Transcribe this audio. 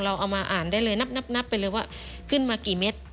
เอามาอ่านได้เลยนับไปเลยว่าขึ้นมากี่เม็ด